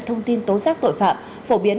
thông tin tố giác tội phạm phổ biến